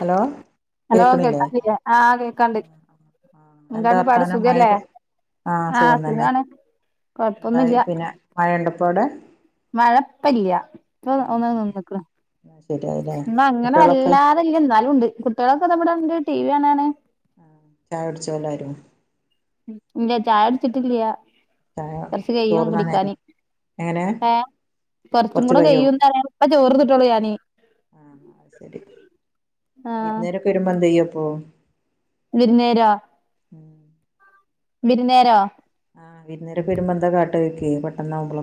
Hello hello കേക്കണില്ലേ? കേക്കാണ്ടില്ലേ ആഹ് കേക്കാണ്ട് ആഹ് എന്താ എന്താണ് പാട് വർത്താനം സുഖല്ലേ മഴക്ക് ആഹ് സുഖം തന്നെ കൊഴപ്പൊന്നുല്ല എന്തായി പിന്നെ മഴണ്ടൊപ്പാടേ മഴപ്പല്ല്യ ഇപ്പ ഒന്ന് നിന്ന്ക്ക്ണ് ശരിയായില്ലേ ഇന്നങ്ങനെ കുട്ടികളൊക്കെ വല്ലാ തല്ല എന്നാലും ഉണ്ട് കുട്ട്യാളൊക്കെതാ ഇവടെ ഇണ്ട് ടീവിയാണാണ് ചായുട്ച്ചോ എല്ലാരും ഉം ഇല്ല ചായുട്ച്ചിട്ടില്ലാ ചായ കൊറ്ച്ചക്കയ്യും ചോറുണ്ണാൻ കുടിക്കാന് നേരം എങ്ങനെ ഏഹ് കൊറ്ച്ചും കൊറച്ച് കൂടെ കഴിയോ കയ്യുന്നറിയാന് ഇപ്പ ആഹ് ചോർന്ന്ട്ടോള്ളു ഞാന് ആഹ് അഹ് ശരി ആഹ് വിര്ന്നേരൊക്കെ വരുമ്പോ എന്തെയ്യു അപ്പോ വിര്ന്നേരോ വിര്ന്നേരോ വിര്ന്നേരൊക്കെ വെരുമ്പം എന്താ കാട്ടാ ചോയ്ക്കെ പെട്ടന്നാവുമ്പളൊ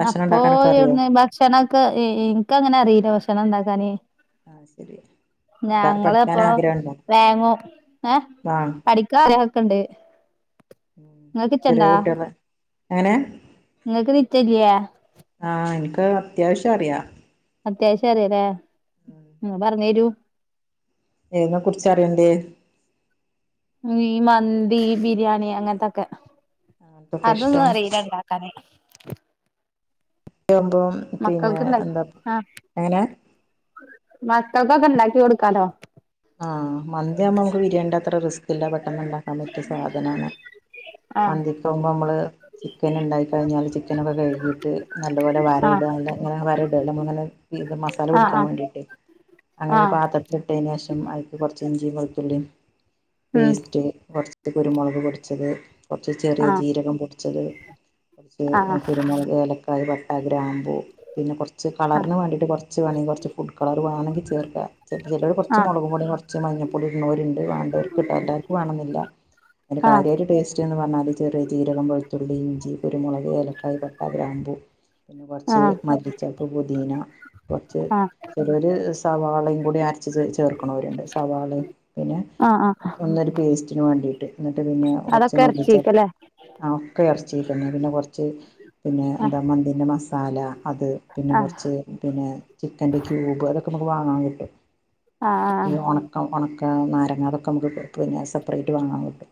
ന്നപ്പൊ അറിയോ എവ്ട്ന്നെ ഭ ക്ഷണൊക്കെ ഇ ഇ ഇന്ക്കങ്ങനെ അറിയിലാ ഭക്ഷണണ്ടാക്കാന് ആഹ് ശരി എന്താ പഠിക്കാൻ ഞങ്ങളെപ്പൊ ആഗ്രഹണ്ടോ വേങ്ങും ഏഹ് ആഹ് പഠിക്കാഗ്രഹക്കെണ്ട് ചെറിയ ഇങ്ങക്ക്ച്ചണ്ടോ കുട്ടികളെ എങ്ങനെ ഇങ്ങക്ക് നിച്ചല്ല്യേ ആഹ് ഇന്ക്കഹ് അത്യാവശ്യ അറിയാ അത്യാവശ്യം അറിയല്ലേ ഉം പറ്ഞ്ഞേരു എയിനെ കുറ്ച്ചാ അറിയണ്ട്യേ ങ്ങി മന്തി ബിരിയാണി അങ്ങത്തൊക്കെ അങ്ങനത്തൊക്കെ അതൊന്നും ഇഷ്ടം അറിയിലാ ഇണ്ട ക്കാന് [unintelligible] പിന്നെ മക്കൾക്ക് ഇണ്ട എന്താ ആ എങ്ങനെ മക്കൾക്കൊക്കെ ഇണ്ടാക്കി കൊട്ക്കാലോ ആഹ് മന്തിയാവുമ്പം നമുക്ക് ബിരിയാണിന്റെത്ര റിസ്കില്ല പെട്ടെന്ന് ഇണ്ടാക്കാ പറ്റിയ സാധനാണ് ആ മന്തിക്കാവുമ്പോ അമ്മള് ചിക്കൻ ഇണ്ടായി കഴിഞ്ഞാല് ചിക്കനൊക്കെ കഴുകീട്ട് നല്ലപോലെ വര ആ ഇടാ നല്ല ഇങ്ങനെ വര ഇട [unintelligible] ഇത് മസാല ആ പുടിക്കാൻ മാണ്ടീട്ടെ അങ്ങനെ ആ ആ ഒരു പാത്രത്തില് ഇട്ടേനേശ് [unintelligible] അയിക്ക് കൊറ്ച്ച് ഇഞ്ചീ വെള്ത്തുള്ളിം ഉം പേസ്റ്റെ കൊറ് ഇറ്റ് കുരുമൊളക് പൊടിച്ചത് കൊറ്ച്ച് ചെറിയ ആ ജീരകം പൊടിച്ചത് കൊറ്ച്ച് ആ ആ ഓഹ് കുരുമുളക് ഏലക്കായ് പട്ട ഗ്രാമ്പൂ പിന്നെ കൊറ്ച്ച് കളറ്ന് വാണ്ടിട്ട് കൊറ്ച്ച് വേണെ കൊറ്ച്ച് ഫുഡ് കളർ വാണെങ്കി ചേർക്കാ ചെല്ത് ചെലോര് കൊറ് ച്ച് ആ മൊളക് പൊടിം കൊറ്ച്ച് മഞ്ഞപ്പൊടിം ഇട്ണോര്ണ്ട് വാണ്ടോര്ക്ക്ട്ട എല്ലാർക്കും വാണന്നില്ല അയിന്റെ ആ കാര്യയിട്ട് ടേസ് റ്റ്ന്ന് പറ്ഞ്ഞാല് ചെറിയെ ജീരകം വെള്ത്തുള്ളി ഇഞ്ചി കുരുമുളക് ഏലക്കായ് പട്ട ഗ്രാമ്പൂ പിന്നെ ആ കൊറ്ച്ച് മല്ലി ചപ്പ് പൊതീന കൊറ്ച്ച് ആ ചെലോര് സവാളിം കൂടെ അരച്ച് ചേച്ച് ചേർക്ക്ണോര്ണ്ട് സവാളിം പിന്നെ ആ ആ ഒന്നൊര് പേസ്റ്റിന് വാണ്ടീട്ട് ന്ന്ട്ട് പിന്നെ അതൊക്കെ കൊറ്ച്ച് മല്ലിച്ചെ ഇറച്ചിക്കല്ലേ ആഹ് ഒക്കെ എറച്ചീക്കന്നെ പിന്നെ കൊറ്ച്ച് പിന്നെ ആ എന്താ മന്തിൻ്റെ മസാല അത് പിന്നെ ആ കൊറ്ച്ച് പിന്നെ ചിക്കൻ്റെ ക്യൂബ് അതൊക്കെ നമ്മക്ക് വാങ്ങാ കിട്ടും ആ ആ ഈ ഒണക്കം ഒണക്ക നാരങ്ങ അതൊക്കെ അമ്മക്ക് [unintelligible] പിന്നെ സെപ്പറേറ്റ് വാങ്ങാ കിട്ടും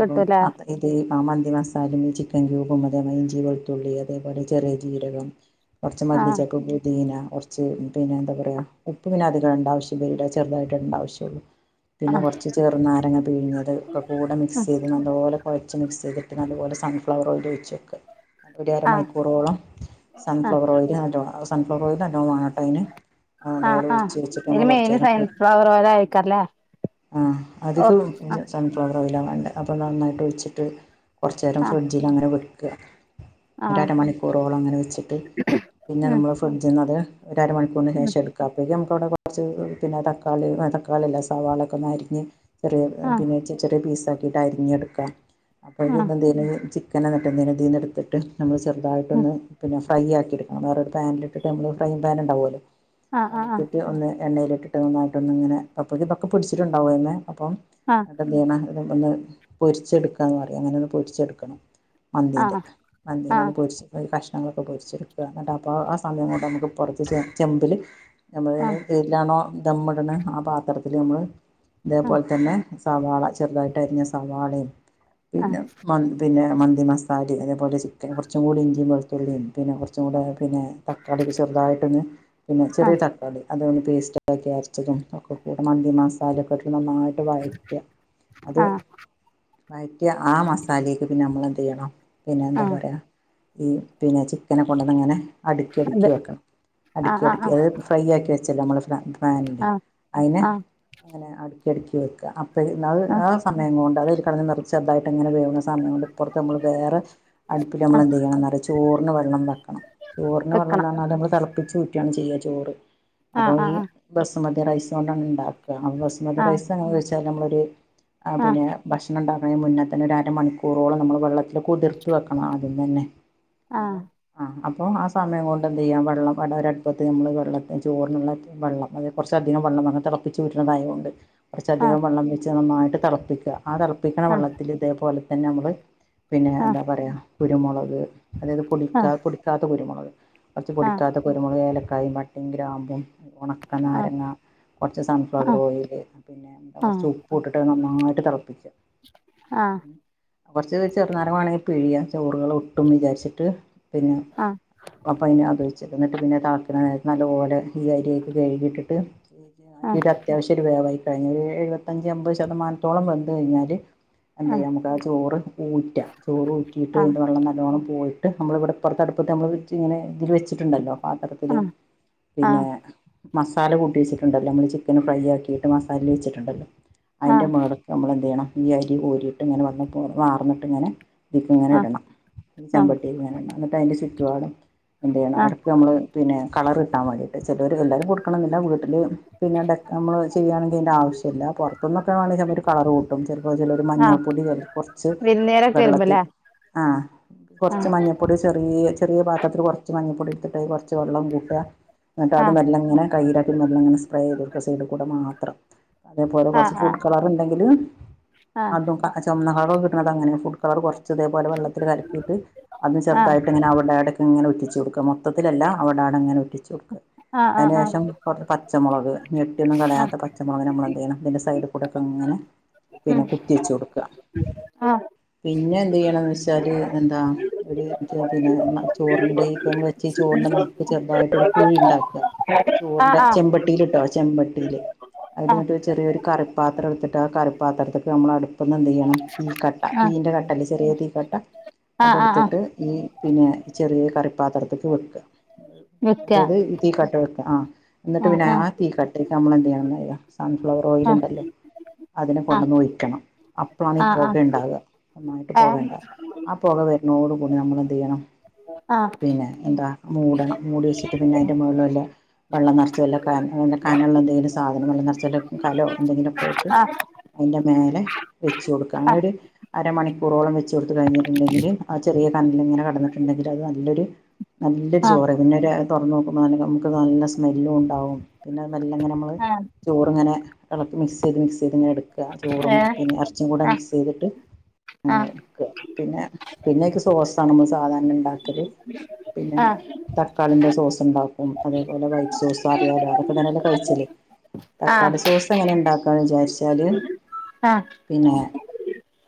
അപ്പം അത് ഇത് ആഹ് മന്തി മസാലിം ഈ ചിക്കൻ ക്യൂബും അതേ മാരി ഇഞ്ചി വെള്ത്തുള്ളി അതേപോലെ ചെറിയ ജീരകം കൊറ്ച്ച് ആ മല്ലി ചപ്പ് പുതീന ഒറ്ച്ച് ഉം പിന്നെ എന്താ പറിയാ ഉപ്പ് പിന്നെ അധികടണ്ടാവശ്യ [unintelligible] ചെറ്തായിട്ട് ഇടണ്ടാവശ്യള്ളൂ ആ പിന്നെ കൊറ്ച്ച് ചെറ്നാരങ്ങ പിഴിഞ്ഞത് ഒക്കക്കൂടെ മിക്സെയ്ത് നല്ലോലെ കൊഴച്ച് മിക്സെയ്തിട്ട് നല്ലപോലെ സൺഫ്ലവർ ഓയിലൊയിച്ചക്കാ [unintelligible] ആ ആ അരമണിക്കൂറോളം സൺഫ്ലവർ ഓയില് നല്ലോ ആഹ് സൺഫ്ലവർ ഓയില് നല്ലോം വാണട്ടോ അയിന് ആഹ് ആ ആ നല്ലോലൊയിച്ച് വെച്ച്ട്ട് ഇതില് അമ്മള് കൊറ് മെയിന് [unintelligible] സൺഫ്ലവർ ഓയിൽ ആയിരിക്കല്ലേ ഓ ആ ആഹ് [unintelligible] സൺഫ്ലവർ ഓയിലാ വേണ്ടെ അപ്പോ നന്നായിട്ട് ഒഴിച്ചിട്ട് കൊറച്ചേരം ആ ഫ്രിഡ്ജിൽ അങ്ങനെ വെക്ക ആ ഒരരമണിക്കൂറോളം അങ്ങനെ വെച്ചിട്ട് പിന്നെ ഉം നമ്മള് ഫ്രിഡ്ജിന്നത് ഒരരമണിക്കൂറിന് ഉം ശേഷം എടുക്കാ അപ്പയേക്ക് അമ്മക്കവിടെ കൊറച്ച് പിന്നെ തക്കാളി തക്കാളിയല്ലാ സവാളൊക്കെ ഒന്നരിഞ്ഞ് ചെറിയെ ആഹ് പിന്നെ ചെറിയ പീസാക്കിട്ട് അരിഞ്ഞെടുക്ക ആഹ് അപ്പയെന്ന് ഇതീന്ന് ചി ക്കനാന്നട്ട് ഇതീന്ന് ഇതീന്ന്ട്ത്ത്ട്ട് നമ്മള് ഉം ചെറുതായിട്ടൊന്ന് പിന്നെ ഫ്രൈ ആക്കി ഇട്ക്കണം വേറൊരു പാനിലിട്ട് ഫ്രൈയിങ് ‌ പാൻ ഇണ്ടാവുമല്ലോ ആഹ് ആഹ് അതിലിട്ടിട്ട് ഒന്ന് എണ്ണയിലിട്ട് പിട്ടന്നായിട്ടൊന്നും ഇങ്ങനെ പപ്പക്കിതൊക്കെ പിടിച്ചിട്ടുണ്ടാവോ എന്ന് അപ്പം ആഹ് ന്നിട്ടെന്ത് ചെയ്യണം ഇത് ഒന്ന് പൊരിച്ചെടുക്കുകാന്ന് പറിം അങ്ങനെ ഒന്ന് പൊരിച്ചെടുക്കണം മന്തീൻ്റെ മന്തിനെ ആഹ് അത് പൊരിച്ച്ഈ കഷ്ണങ്ങളൊക്കെ പൊരിച്ചെടുക്കാ ഇന്നിട്ട് അപ്പോൾ ആ സമയം കൊണ്ട് അമക്ക് കൊറച്ച് ചെ ചെമ്പില് ഞമ്മള് ആഹ് ഏയിലാണോ ദമ്മ്ട്ണെ ആ പാത്രത്തില് ഞമ്മള് ഇതേപോലെത്തന്നെ സവാള ചെറുതായിട്ട് അരിഞ്ഞ സവാളയും ആഹ് പിന്നെ മ പിന്നെ മന്തി മസാലിം അതേപോലെ ചിക്കനും കൊറച്ചും കൂടി ഇഞ്ചിം വെളുത്തുള്ളിം പിന്നെ കൊറച്ചും കൂടെ ആയ പിന്നെ തക്കാളി ചെറുതായിട്ടൊന്ന് പിന്നെ ആഹ് ആഹ് ചെറിയ ആഹ് തക്കാളി അതൊന്ന് പേസ്റ്റ് ഇതൊക്കെ അരച്ചതും ഒക്കെ കൂടെ മ ന്തിമാസാലൊക്കെ ഇട്ട് നന്നാ വയറ്റ അത് ആഹ് വയറ്റിയ ആ മസാലീക്ക് പിന്നെ അമ്മളെന്ത് ചെയ്യണം പിന്നെ എന്താ ആഹ് പറയാ ഈ പിന്നെ ചിക്കനെ കൊണ്ടന്നങ്ങനെ അടുക്കി അടുക്കി അതെ വെക്കണം ആഹ് അടുക്കി അടുക്കി ആഹ് അത് ഫ്രൈ ആക്കി വെച്ച പിന്ന അമ്മള് ഫ്രാ പാനില്ലെ ആഹ് അയിനെ ആഹ് ആഹ് ഇങ്ങനാ അടുക്കി അടുക്കി വെക്ക ആഹ് [unintelligible] ആ സമയം കൊണ്ട് അതയില് കെടന്ന് ചെറ്തായിട്ട് അങ്ങനെ വേവുന്ന സമയം കൊണ്ട് ഇപ്പറത്ത് നമ്മള് വേറെ അടുപ്പില് അമ്മള് ആഹ് എന്ത് ചെയ്യണം ന്നറിയോ ചോറിന് വെള്ളം വെക്കണം ചോറിന് വെക്കണം വെള്ളംന്നറഞ്ഞാല് ഞമ്മള് തെളപ്പിച്ച് ഊറ്റണ് ചെയ്യാ ചോറ് അപ്പൊ ആഹ് ഈ ആഹ് ബസുമതി റൈസ് കൊണ്ടാണ് ഇണ്ടാക്ക ബസുമതി ആഹ് റൈസ് എങ്ങനെന്ന് വെച്ചാ ഞമ്മളൊരു ആഹ് പിന്നെ ഭക്ഷണം ഇണ്ടാക്കാണേൻ മുന്നേ തന്നെ ഒരുരമണിക്കൂറോളം നമ്മള് വെള്ളത്തില് കുതിർത്ത് വെക്കണം ആദ്യം തന്നെ അപം ആഹ് അപ്പം ആ സമയം കൊണ്ട് എന്ത് യ്യാ വെള്ളം അടെ ഒര അടുപ്പത്ത് ഞമ്മള് വെള്ളത്തി ചോറിനുള്ള വെള്ളം അത് കൊറച്ചധികം വള്ളം തെളപ്പിചൂ റ്റണതായോണ്ട് കൊറച്ചധികം ആഹ് വള്ളം വെ ച്ച് നന്നായിട്ട് തെളപ്പിക്ക ആ തെളപ്പിക്കണ ആഹ് വെള്ളത്തില് ഇതേപോലെ തന്നെ അമ്മള് പിന്നെ ആഹ് എന്താ പറയ കുരുമൊളക് അതായത് പൊടിക്കാ ആഹ് പൊടിക്കാത്ത കുരുമൊളക് കൊറച്ച് ആഹ് പൊടിക്കാത്ത കുരുമൊളക് ഏലക്കായിം പട്ടീം ഗ്രാമ്പും ഉണ- ക്ക ആഹ് നാരങ്ങ കൊറച്ച് ആഹ് സൺഫ്ലവർ ആഹ് ഓയില് പിന്നെ എന്താ കൊറച്ച് ഉപ്പു ഇട്ടിട്ട് നന്നായിട്ട് തെളപ്പിച്ച ആഹ് കൊറച്ച് ചെറുനാരങ്ങ വാണെങ്കി പിഴിയാം ചോറുകൾ ഒട്ടും വിചാരിച്ചിട്ട് പിന്നെ ആഹ് ആഹ് അപ്പ അയിനെ [unintelligible] വിച്ചെക്ക ഇന്നട്ട് പിന്നെ തളക്ക്ണനേരം നല്ലോലെ ഈ അരി രി കയ്കി ഇട്ടിട്ട് [inaudible] അരി ഇട അത്യാവശ്യം ഒരു വേവായികഴിഞ്ഞ ഒരു എഴുവത്തഞ്ച് എമ്പത് ശതമാനത്തോളം വെന്ത്‌ കഴിഞ്ഞാല് എന്ത്ചെ‌യ്യ ആഹ് ആഹ് ആഹ് ആഹ് അമ്മക്ക് ആ ചോറ് ഊറ്റാ ചോറ് ഊറ്റിയിട്ട് അതിന്റെ വള്ളം നല്ലോണ്ണം പോയി ട്ട് അമ്മൾവിടെ ഇപ്പർത്ത് അടുപ്പത്ത് അമ്മൾ ഇങ്ങനെ ഇതില് വെച്ചിട്ടുണ്ടല്ലോ പാത്രതത്തില് പിന്നെ മസാല കൂട്ടി വെച്ചിട്ടുണ്ടല്ലോ അമ്മൾ ചിക്കന് ഫ്രൈ ആക്കിയിട്ട് മസാലീ വെച്ചിട്ടുണ്ടല്ലോ അതിൻ്റെ മേള് ഞമ്മളെന്ത്യ്യണം ഈ അരി കോരിയിട്ട് ഇങ്ങനെ വള്ളം പ്പൊ വാർന്ന്ട്ട്ങ്ങനെ ഇതീക് ഇങ്ങനെ ഇടണം ഈ ആഹ് ആഹ് ചെമ്പട്ടീക്ക് ഇങ്ങനെ ഇണം ഇന്നട്ട് അയിന്റെ ചുറ്റുപാടം എന്തയ്യണം ആഹ് എടക്ക് അമ്മള് പിന്നെ കളർ കിട്ടാൻ വേണ്ടിട്ട് ചെലോര് എല്ലാരും കൊടുക്കണംന്നില്ല വീട്ടില് പിന്നെ ഡെക്ക അമ്മൾ ചെയ്യണെങ്കിൽ അയിന്റെ ആവശ്യല്ല പുറത്ത്ന്നൊക്കെ [unintelligible] ചെൽപ്പോ കളറ് കൂട്ടും ചെൽപ്പോ ചെലോര് മഞ്ഞൾപ്പൊടി ചേ കൊർച്ച് വിര്ന്നേരൊക്കെ വെര്മ്പല്ലേ? ആഹ് കൊർച്ച് മഞ്ഞപ്പൊടി ചെറീയ ചെറിയ പാത്രത്തിൽ കൊർച്ച് മഞ്ഞപ്പൊടിട്ത്തിട്ട് അയികൊർച്ച് വെള്ളം കൂട്ടാ ഇന്നട്ട് അത് ആഹ് മെല്ലെങ്ങനെ കൈയിലാക്കിട്ട് മെല്ലങ്ങനെ സ്പ്രെയ്തൊട്ക്ക സൈഡ് കൂടെ മാത്രം. അതേപോലെ കൊർച്ച് ആഹ് ഫുഡ് കളർണ്ടെങ്കില് ആഹ് അതും അ ചൊമ്ന്ന കളർ കിട്ടണതങ്ങനെ ഫുഡ് കളർ കൊർച്ച് തേപോലെ വെള്ളത്തില് കൽക്കിട്ട് അത് ആഹ് ചെറുതായിട്ടിങ്ങനെ അവ്ടെടക്കങ്ങനെ ഉറ്റിച്ചോട്ക മൊത്തത്തിലല്ല അവ്ടാടെങ്ങനെ ഉറ്റിച്ച് കൊട്ക്ക അ അ ആഹ് കൊ [unintelligible] പച്ചമുളക് ഞെട്ടിയൊന്നും ആഹ് കളയാത്ത പച്ചമുളക്ന ഞമ്മളെന്ത്യ്യണം ഇതിന്റെ സൈഡികൂടക്കങ്ങനെ ഉം പിന്നെ കുത്തിയചൊട്ക്ക ആഹ് പിന്നെ എന്ത്യ്യണന്ന്ച്ചാല് എന്താ ഒരു പിന്നെ ചോറിന്റെപ്പം വെച്ച ചോറിന്റെ നട്ക്ക് ചെറുതായിട്ടൊരു കുഴിണ്ടാക്ക ചോറിന്റെ ആഹ് ആഹ് ചെമ്പട്ടില്ട്ടോ ചെമ്പട്ടില് അയില് ആഹ് ന്നട്ട് ചെറിയൊരു കറിപ്പാത്രംട്ത്തിട്ട് ആ കറിപ്പാത്രത്ക്ക്‌ അമ്മള അടുപ്ന്ന് ന്തേയ്യണം തീ കട്ട ആഹ് തീൻ്റെ കട്ടല്ലെ ചെറിയ തീ കട്ട ആഹ് ആഹ് ആഹ് അതെട്ത്ട്ട് ഈ പിന്നെ ചെറിയേ കറിപ്പാത്രത്ക്ക് വെക്ക വെക്ക അതായത് ഈ തീ കട്ട ആഹ് ന്നട്ട് പിന്നെ ആഹ് ആ തീ കട്ടേക് നമ്മളെന്തയ്യണന്നറിയോ സൺഫ്ലവർ ആഹ് ഓയിൽണ്ടല്ലോ അതിനെ ആഹ് കൊണ്ടെന്ന് ഒഴിക്കണം അപ്പളാണ് ഇ ആഹ് പോകേണ്ടാവ്വ ഒന്നായിട്ട് പോകണ്ടാവ അ ആ പൊഗ വെരുണോടു കൂടി നമ്മളെന്തേയ്യണം ആഹ് പിന്നെ എന്താ മൂടണം മൂടി വെച്ചിട്ട് പിന്നെ അയിന്റെ മേള്ൽ വല്ലാം വള്ളം നർച്ച് വല്ല നല്ല കനള്ള എന്തെങ്കിലും സാധനങ്ങൾ നർച്ചല് കലോ എന്തെങ്കിലൊക്കെ ആയിട്ട് ആഹ് ആഹ് അയിന്റെ മേലെ വെച്ച് കൊട്ക്ക ങ്ങട് അരമണിക്കൂറോളം വെച്ചോട്ത്ത് കഴിഞ്ഞിട്ട്ണ്ടെങ്കില് ആ ചെറിയ കനൽ ഇങ്ങനെ കെട്ന്നിട്ട്ണ്ടെങ്കില് അത് നല്ലൊര് നല്ലൊരു ആഹ് ആഹ് ആഹ് ചോറ് പിന്നെര തൊറന്നൊക്കുമ്പോ നല നമക്ക് നല്ല സ്മെല്ലുംണ്ടാവും പിന്നെത് മെല്ലെങ്ങനെ അമ്മ ആഹ് ചോറ്ങ്ങനെ എളക്ക് മിക്സെയ്ത് മിക്സ്യ്ത്ങ്ങനെ എടു ക്ക ചോറും ഏഹ് പിന്നെ എർച്ചികൂടെ ആഹ് മിക്സയ്തിട്ട് അങ്ങനെ ആഹ് ക്ക പിന്നെ പിന്നെയ്‌ക്ക് സോസാണ് മള് സാധാര ങ്ങനെണ്ടാക്കല് പിന്നെ തക്കാളിന്റെ സോസ്ണ്ടാക്കും അതേപോലെ വൈ സോസ അറിയാലോ അതൊക്കെ തന്നെല്ലെ കഴിച്ചല് തക്കാളി ആഹ് സോസ് എങ്ങനെണ്ടാക്കാന്ന് വിചാരിച്ചാല് ആഹ് പിന്നെ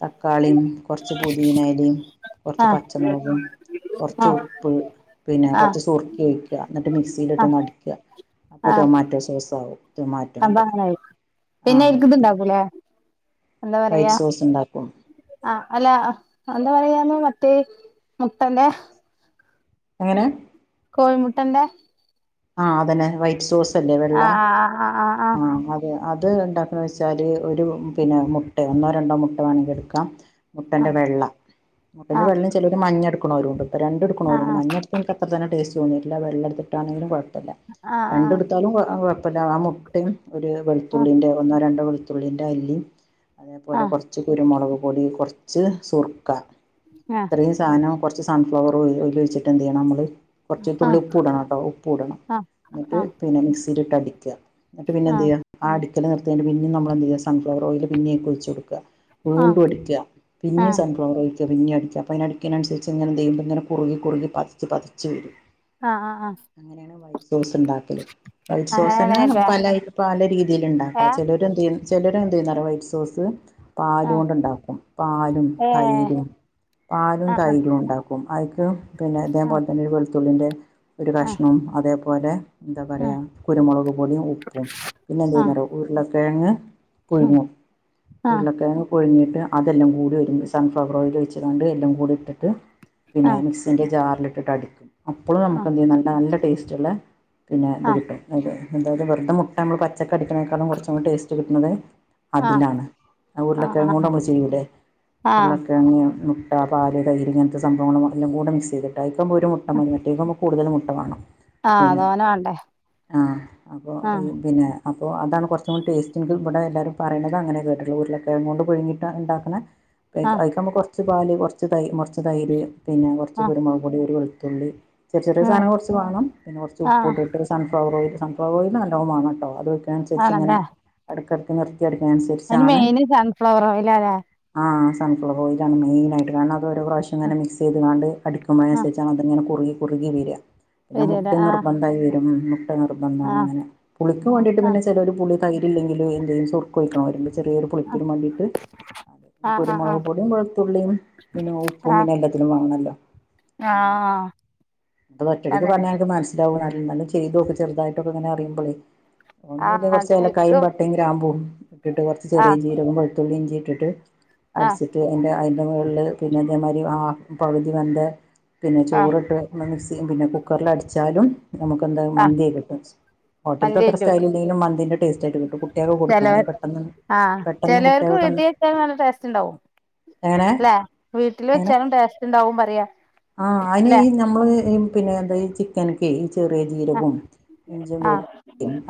തക്കാളീം കൊർച്ച് പൊതിനയലിം കൊർച്ച് ആഹ് പച്ചമൊളകും കൊർച്ച് ആഹ് ആഹ് ആഹ് ഉപ്പ് പിന്നെ ആഹ് കൊർച്ച് സുർ ക്കയ്ക്ക ന്നട്ട് മിക്സിയിലിട്ടൊന്ന് അടിക്ക അപ്പോ ടൊമാറ്റോ സോസാവും. അദങ്ങനായി പിന്നെ പിന്നെ അയ്ക്ക്‌ത്ണ്ടാക്കൂലെ വൈറ്റ് സോസ്ണ്ടാക്കും. ആ അല്ല എന്താ പറയാന്ന് മറ്റേ മുട്ടന്റെ എങ്ങനെ കോഴിമുട്ടന്റെ ആ അതന്നെ വൈറ്റ് സോസല്ലെ വെള്ള ആ ആ ആ ആ ആ അത് അത് ണ്ടാക്ണ വെച്ചാല് ഒരു പിന്നെ മുട്ടേ ഒന്നോ രണ്ടോ മുട്ട വേണങ്കിട്ക്കാം മുട്ടന്റെ വെള്ള മുട്ടന്റെ ആഹ് വെള്ള ചെലോര് മഞ്ഞെട്ക്കുണോരുണ്ട് രണ്ടുട്ക്ക്‌ണോരുണ്ട് ആഹ് മഞ്ഞ പ്പൻക്ക് അത്ര തന്നെ ടേസ്റ്റ് തോന്നിയിട്ടില്ല വെള്ളട്ത്തിട്ടാണെങ്കിലും കൊഴപ്പല്ല ആഹ് ആഹ് രണ്ട്ട്ത്താലും ആ കൊഴപ്പല്ല ആ മു ട്ടിം ഒര് വെളുത്തുള്ളിന്റെ ഒന്നോ രണ്ടോ വെളുത്തുള്ളിന്റെ അല്ലിം ആഹ് ആഹ് അതേപോലെ ആഹ് കൊർ ച്ച് കുരുമുളക് പൊടി കൊർച്ച് സുർക്ക ആഹ് ഇത്രയും സാധനം കൊർച്ച് സൺഫ്ലവർ ഓയില് ഒഴിച്ചിട്ട് എന്ത് ചെയ്യണം നമ്മള് കൊർച്ച് ആഹ് ആഹ് ആഹ് ആഹ് തുള്ളി ആഹ് ഉപ്പ് ഇടണം കേട്ടോ ഉപ്പ് ഇടണം ന്നട്ട് ആഹ് ആഹ് പിന്നെ മിക്സിയിലിട്ട് അടിക്ക ന്നട്ട് പിന്നെ എന്ത് ആഹ് ചെയ്യ ആ അടിക്കല് നിർത്തിയാണ്ട് പിന്നിം നമ്മള് എന്ത് ചെയ്യ സൺഫ്ലവർ ഓയില് പിന്നിം അഴിക്ക് ഒഴിച്ച് കൊടുക്ക ആഹ് വീണ്ടും അടിക്ക പിന്നിം ആഹ് സൺഫ്ലവർ ഓയിൽ പിന്നിം അടിക്ക അപ്പ അഴിന് അടിക്ക്‌നൻസര്ച്ച് ങ്ങനെന്തയ്യും ഇതിങ്ങനെ കുറുകി കുറുകി പത്ച്ച് പത്ച്ച് വരും ആഹ് ആഹ് ആഹ് അങ്ങനെയാണ് വൈറ്റ് സോസ് ഉണ്ടാക്കല് വൈറ്റ് അങ്ങനെയാണല്ലേ സോസന്ന പല പല രീതിഴിൽ ഇണ്ടാക്ക ഏഹ് ലര് എന്ത് ചെയ്യും ചെലര് എന്ത് ചെയ്യുന്നറിയോ വൈറ്റ് സോസ് ആഹ് പാല്കൊണ്ട ഉണ്ടാക്കും പാലും ഏഹ് തൈരും പാലും ആഹ് തൈരും ഉണ്ടാക്കും അയ്ക്ക് പിന്നെ ആഹ് ഇതേപോലെ തന്നെ ഒരു വെളുത്തുള്ളിന്റെ ഒരു ആഹ് കഷ്ണവും അതേപോലെ എന്താ പറയ ആഹ് കുരുമുളക് പൊടിയും ഉപ്പും പിന്നെ എന്ത ആഹ് ചെയ്യുന്ന ഉരുളക്കിഴങ്ങ് ആഹ് പുഴുങ്ങും ഉരുളക്കിഴങ്ങ് ഒഴിഞ്ഞിട്ട് അതെല്ലാം കൂടി ഒരുരു സൺഫ്ലവർ ഓയിൽ വെച്ചിട്ടണ്ട് എല്ലാം കൂടി ഇട്ടിട്ട് ആഹ് പിന്നെ ആഹ് മിക് ന്റെ ജാറിലിട്ടിട്ട് അടിക്കും അപ്പോഴും നമുക്ക് എന്ത് ചെയ്യും നല്ല നല്ല ടേസ്റ്റ് ഉള്ള പിന്നെ ഇത് ആഹ് കിട്ടും അ അതായത് വെറത മുട്ടാ നമ്മൾ പച്ചക്ക അടിക്കുന്നേക്കാളും കുറച്ചും കൂടി ടേസ്റ്റ് കിട്ടുന്നത് ആഹ് അതിലാണ് ഉരുളൊക്കെണ്ട് ആഹ് നമ്മൾ ചെയ്യൂലേ ആഹ് ആഹ് ആഹ് ഉരുളൊക്കെ ഇ മുട്ട പല് തൈയിര് ഇങ്ങനത്തെ സംവങ്ങള എല്ലാം കൂടെ മിക്സ് ചെയ്തിട്ട് അക്കുമ്പോ ഒരു മുട്ട മതി മാറ്റിേക്കുമ്പോ കൂടുതൽ മുട്ട വേണം ആഹ് പിന്നെ തോന വണ്ടേ ആഹ് അപ്പോൾ പിന്നെ അപ്പോൾ അതാണ് കുറച്ച കൂടി ടേസ്റ്റെങ്കിൽ ഇവിടെ എല്ലരും പറയണത് അങ്ങനെ കേട്ടുള്ളൂ ഉരുളകിഴങ്ങ കൊണ്ട് പുഴുങ്ങിട്ട് ഉണ്ടാക്കുന്ന ആഹ് അയ്ക്ക് ഞമ്മക്ക് കുറച്ച് പാല് കുറച്ച് തൈ കുറച്ച് തൈര് പിന്നെ കുറച്ച് ആഹ് ഒരു മുളക് പൊടി ഒരു വെളുത്തുള്ളി ചെറ ചെറിയ ഉം സാധം കുറച്ച് വാണം പിന്ന കുറച്ച് ആഹ് ഇപ്പൂട്ട്ട്ട് സൺഫ്ലവർ ഓയിൽ സൺഫ്ലവ ഓയിൽ നല്ലോ വേണം കേട്ടോ അത് അനുസരിച്ച് ഇങ്ങനെ ആണല്ലേ എടക്കിടയ്ക്ക് നിർത്തി അടിക്കുന്നതിന് അനുസരിച്ച് അതിന് മെയിന് സൺഫ്ലവർ ഓയിലാലെ ആ സൺഫ്ലവർ ഓയിൽ ആണ് മെയിനായിട്ട് അ രോ പ്രാവശ്യ ഇങ്ങനെ മിക്സ് ചെയ്കാണ്ട് ആഹ് അടിക്കുമോഴനുസരിച്ചാണ് അതിങ്ങെ കുറുകി കുറുകി വരിക പിന്നെ വരൂല്ലേ മുട്ടി ആഹ് നിർബന്ധായി വരും മുട്ട നിർബന്ധണ് ആഹ് അങ്ങനെ പുളിക്ക് വേണ്ടിയിട്ട് ആഹ് പിന്നെ ചില ഒരു പുളി തൈരില്ലെങ്കിൽ എന്തേ സുർ കുഴിക്കണ വരുമ്പോ ചെറിയൊരു പുളിപ്പിനും മാണ്ടിട്ട് പിന്ന ആഹ് ആഹ് കുരുമുളക് ആഹ് പൊടിയും വെളുത്തുള്ളിയും പിന്നെ ഉപ്പും ആഹ് പിന്നെ എല്ലാത്തിനും വാങ്ങണല്ലോ ആഹ് അത്റ്റെടുക്ക് അതന്നെ പറഞാ അന്നക്ക് മന ലും ചെയ്തോക്കെ ചെറുതായിട്ടൊെ ഇങ്ങനെ അറിയ്പോളെയ് ഒന്നുമില്ല ആഹ് കുറച്ച് അത് ഏലക്കയും ഇക്കും പട്ടയും ഗ്രാമ്പൂ ഇട്ടിട്ട് കുറച്ച് ചെറിയ ആഹ് ജീരകം വെളുതുളളി ഇഞ്ചിട്ടട്ട് ആഹ് അടിച്ച് മ എന്റെ അതിന്റെറെ മുകളിൽ പിന്നെ ഇതേമാതിരി ആ പകുതി വെന്ത പിന്നെ ആഹ് ചോറിട്ട് മിക്സി പിന്നെ കുക്കറില അടിച്ചാലും നമുക്ക് എന്താ ആഹ് മന്തിയായി കിട്ടും ഹോട്ടലത്തെ മന്തി അത്ര ആയിട്ട് സ്റ്റൈില്ലല്ലങ്കിലും മന്തിന്റെ ടേസ്റ്റ് ആയികിട്ടും ചിലർ ആ പെട്ടെന്ന് ചിലവർക്ക് കുട്ടികൾക്ക് വീട്ടൽവച്ച നല്ല ടേസ്റ്റ് ഉണ്ടാവും എങ്ങനെ അല്ലെ വീട്ടിൽ വെച്ചാലും ടേസ്റ്റ് ഉണ്ടാവും പറയാ ആഹ് അയ്ന് ല്ലെ നമ്മള് പിന്നെ എന്താ ചിക്കന്ക്കെ ഈ ചെറിയ ആ ജീരകവും ഇഞ്ചി ആ വെളു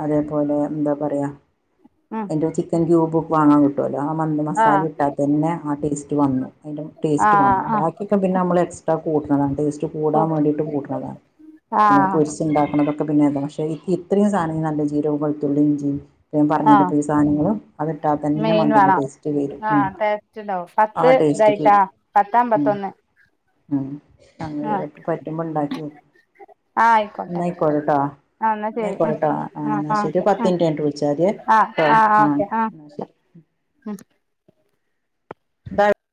അതേപോലെ എന്താ പറയാ ഉം അതിൻ്റെ ചിക്കൻ ക്യൂബ് വാങ്ങാൻ കിട്ടും കിട്ടോലോ ആ മതി ആ മസാല ഇട്ടാൽ തന്നെ ആ ടേസ്റ്റ് വന്നു അതിന്റെ ആ ടേസ്റ്റ് വന്നു ആ ബാക്കി ചിക്ക പിന്നെ നമ്മൾ എക്സ്ട്രാ കൂട്ടണതാണ് ടേസ്റ്റ് കൂടാൻ വേണ്ടിയിട്ട് കൂട്ടണതാണ് ആ ആ പിന്നെ പൊരിച്ച ഉണ്ടാക്കണതെ പിന്നെ പക്ഷെ ഇത്രയും സധനം നല്ല ജീരവും മെളുത്തുള്ളി ഇഞ്ചി ഇപ്പം ഞാൻ ആ പറഞ്ഞി മെയിൻ വേണം ടേസ്റ്റ് വരും ആ ഉം. ടേസ്റ്റ് ഉണ്ടാവും ആ പത്ത് ടേസ്റ്റ്ക്ക് ഇതായിട്ടാ പത്ത് അമ്പത്തൊന്ന് ഉം അങ്ങനെ ആ വരും അപ്പോ പറ്റുമ്പോ ഇണ്ടാക്കി നേ ആ ആയിക്കോട്ടെ ഇന്നായ്ക്കോട്ടെട്ടോ ആ എന്നാ ശരി ഉം ഇന്നായ്ക്കോട്ടെട്ടോ ആഹ് ആ എന്നാ ശെരി ഒര് പത്ത് മിനിറ്റ് കൈഞ്ഞിട്ട് വിളിച്ചാമതി ആഹ് ഓക്കെ ആഹ് ഓക്കെ ഉം എന്താ